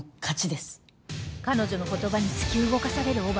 彼女の言葉に突き動かされる小原